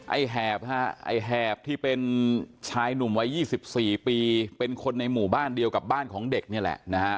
แหบฮะไอ้แหบที่เป็นชายหนุ่มวัย๒๔ปีเป็นคนในหมู่บ้านเดียวกับบ้านของเด็กนี่แหละนะฮะ